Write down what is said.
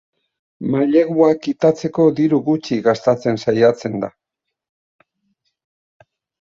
Mailegua kitatzeko diru gutxi gastatzen saiatzen da.